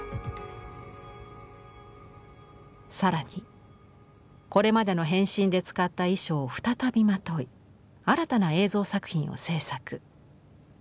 更にこれまでの変身で使った衣装を再びまとい新たな映像作品を制作。